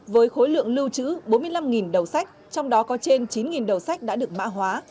với khối lượng lưu trữ bốn mươi năm đầu sách trong đó có trên chín đầu sách đã được mã hóa